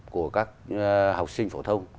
của các học sinh phổ thông